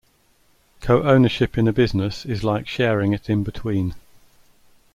Co-ownership in a business is like sharing it in between.